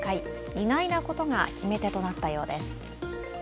意外なことが決め手となったようです。